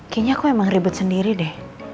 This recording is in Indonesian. kayaknya aku emang ribet sendiri deh